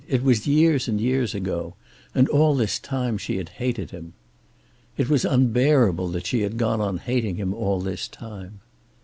It was years and years ago, and all this time she had hated him. It was unbearable that she had gone on hating him, all this time.